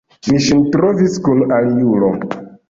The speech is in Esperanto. Mi ŝin trovis kun aliulo.